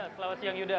selamat siang yuda